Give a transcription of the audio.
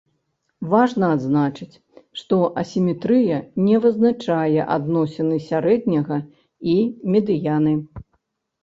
Важна адзначыць, што асіметрыя не вызначае адносіны сярэдняга і медыяны.